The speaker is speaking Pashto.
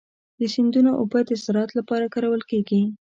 د سیندونو اوبه د زراعت لپاره کارول کېږي.